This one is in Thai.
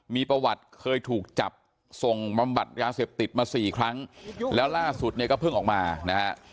มีประวัติเคยถูกจับส่งบำบัดยาเสพติดมาสี่ครั้งแล้วล่าสุดเนี่ยก็เพิ่งออกมานะฮะ